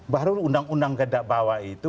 baru undang undang gedak bawah itu